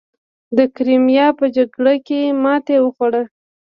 د کریمیا په جګړه کې ماتې وخوړه.